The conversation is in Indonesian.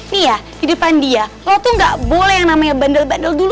nih ya di depan dia lo tuh gak boleh yang namanya bandel bandel dulu